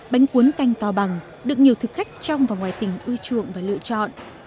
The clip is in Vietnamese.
bánh cuốn canh cao bằng được nhiều thực khách trong và ngoài tỉnh ưa chuộng và lựa chọn